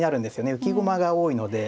浮き駒が多いので。